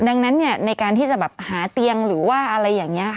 ดังนั้นในการที่จะหาเตียงหรือว่าอะไรอย่างนี้